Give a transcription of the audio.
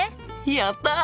やった！